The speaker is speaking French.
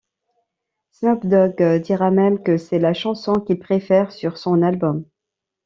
Snoop Dogg dira même que c'est la chansons qu'il préfère sur son album.